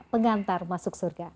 pengantar masuk surga